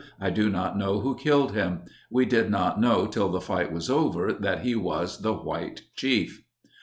I do not know who killed him. We did not know till the fight was over that he was the white chief."